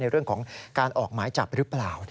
เรื่องของการออกหมายจับหรือเปล่า